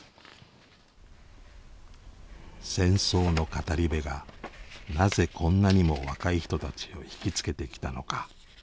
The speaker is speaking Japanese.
戦争の語り部がなぜこんなにも若い人たちを引き付けてきたのか。